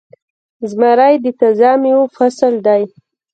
زمری د تازه میوو فصل دی.